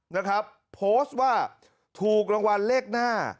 นะครับโพสต์ว่าถูกรางวัลเลขหน้า